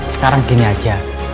sekarang gini aja